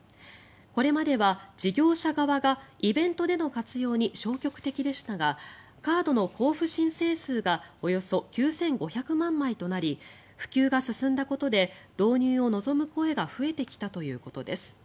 これまでは事業者側がイベントでの活用に消極的でしたがカードの交付申請数がおよそ９５００万枚となり普及が進んだことで導入を望む声が増えてきたということです。